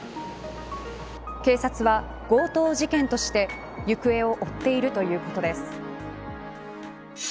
警察は強盗事件として行方を追っているということです。